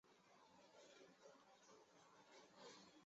她在小学时开始学习这项运动。